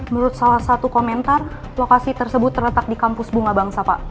menurut salah satu komentar lokasi tersebut terletak di kampus bunga bangsa pak